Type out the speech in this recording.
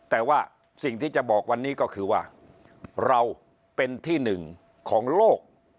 แต่ว่าสิ่งที่จะบอกวันนี้ก็คือว่าเราเป็นที่หนึ่งของโลก